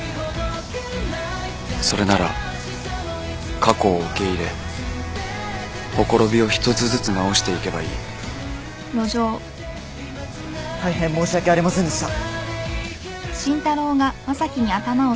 それなら過去を受け入れほころびを一つずつ直していけばいい大変申し訳ありませんでした。